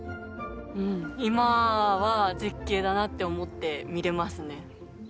今は絶景だなって思って見れますね。